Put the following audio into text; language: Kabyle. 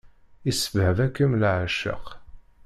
Isbehba-kem leεceq.